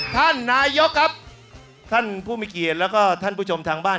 ท่านนายกครับท่านผู้มีเกียรติแล้วก็ท่านผู้ชมทางบ้าน